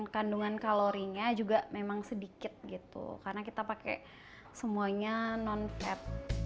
kandungan kalorinya juga memang sedikit gitu karena kita pakai semuanya non flat